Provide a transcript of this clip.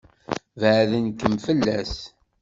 Baɛden-kem fell-as.